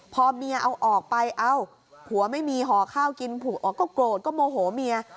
พอเมียเอาออกไปเอ้าผัวไม่มีห่อข้าวกินผัวก็โกรธก็โมโหเมีย